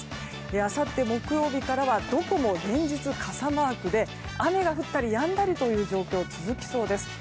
あさって木曜日からはどこも連日傘マークで雨が降ったりやんだりという状況が続きそうです。